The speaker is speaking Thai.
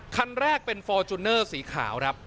ขั้นแรกฟอร์จูเนอร์สีขาว